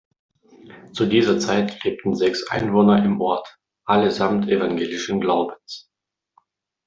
Zu dieser Zeit lebten sechs Einwohner im Ort, allesamt evangelischen Glaubens.